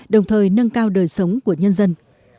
đồng thời nâng cao đời sống của nhân dân